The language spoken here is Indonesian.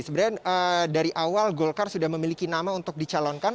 sebenarnya dari awal golkar sudah memiliki nama untuk dicalonkan